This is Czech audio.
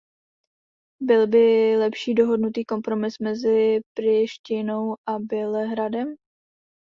Byl by lepší dohodnutý kompromis mezi Prištinou a Bělehradem?